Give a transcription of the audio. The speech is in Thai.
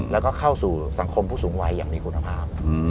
แล้วก็เข้าสู่สังคมผู้สูงวัยอย่างมีคุณภาพ